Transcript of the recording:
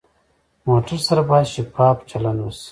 موټر سره باید شفاف چلند وشي.